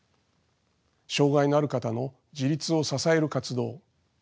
障がいのある方の自立を支える活動。